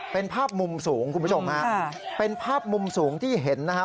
เป็นภาพมุมสูงคุณผู้ชมฮะเป็นภาพมุมสูงที่เห็นนะฮะ